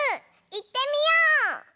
いってみよう！